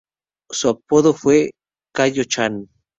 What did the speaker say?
Su apodo fue "Kayo-chan".